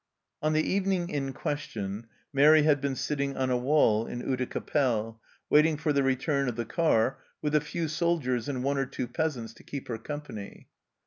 On the evening in question Mairi had been sitting on a wall in Oudecappelle, waiting for the return of the car, with a few soldiers and one or two peasants to keep her company.